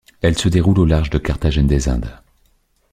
Elle se déroule au large de Carthagène des Indes.